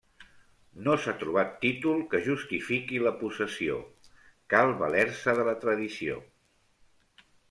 No s’ha trobat títol que justifiqui la possessió, cal valer-se de la tradició.